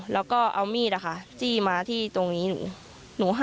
แล้วก็เอามีดจี้มาที่ตรงนี้หนู